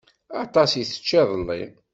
Aṭas i tečča iḍelli.